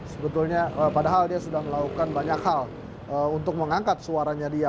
sebetulnya padahal dia sudah melakukan banyak hal untuk mengangkat suaranya dia